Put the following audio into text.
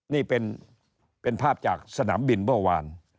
นี่เป็นภาพจากสนามบินเมื่อวาน